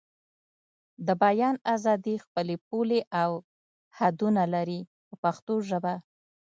د بیان ازادي خپلې پولې او حدونه لري په پښتو ژبه.